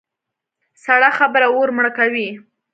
سړه خبره اور مړه کوي.